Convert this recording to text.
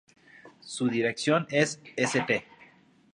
Su dirección es St.